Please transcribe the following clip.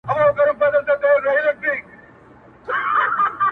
د زمانې دتوپانو په وړاندي وم لکه غر -